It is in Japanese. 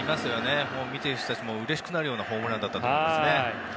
見ている人たちもうれしくなるようなホームランだったと思います。